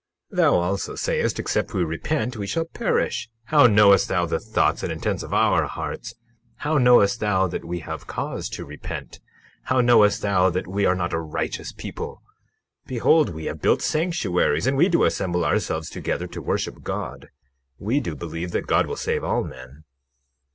21:6 Thou also sayest, except we repent we shall perish. How knowest thou the thought and intent of our hearts? How knowest thou that we have cause to repent? How knowest thou that we are not a righteous people? Behold, we have built sanctuaries, and we do assemble ourselves together to worship God. We do believe that God will save all men.